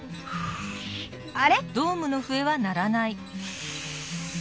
あれ？